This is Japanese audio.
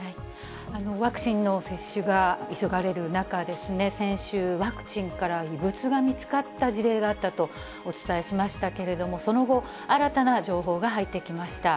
ワクチンの接種が急がれる中ですね、先週、ワクチンから異物が見つかった事例があったとお伝えしましたけれども、その後、新たな情報が入ってきました。